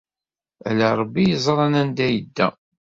Ala Ṛebbi ay yeẓran anda ay yedda.